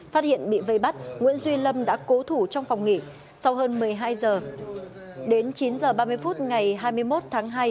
phát hiện bị vây bắt nguyễn duy lâm đã cố thủ trong phòng nghỉ sau hơn một mươi hai h đến chín h ba mươi phút ngày hai mươi một tháng hai